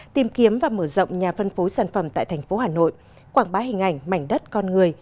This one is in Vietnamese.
tìm kiếm và mở rộng nhà phân phối sản phẩm tại thành phố hà nội quảng bá hình ảnh mảnh đất con người